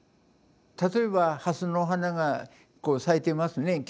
例えば蓮の花が咲いていますね。